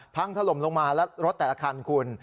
พังถล่มลงมาแล้วรถแต่ละคันคุณ